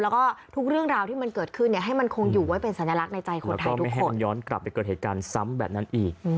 แล้วก็ทุกเรื่องราวที่มันเกิดขึ้นเนี่ยให้มันคงอยู่ไว้เป็นสัญลักษณ์ในใจคนไทยทุกคนย้อนกลับไปเกิดเหตุการณ์ซ้ำแบบนั้นอีก